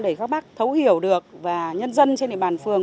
để các bác thấu hiểu được và nhân dân trên địa bàn phường